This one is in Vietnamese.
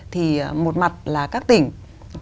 thì một mặt là các tỉnh